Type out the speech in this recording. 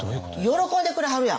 喜んでくれはるやん。